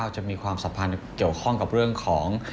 จะมีความสัมพันธ์เกี่ยวข้องกับเรื่องของ